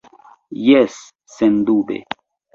Jes, sendube.